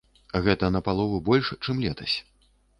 Гэта напалову больш, чым летась.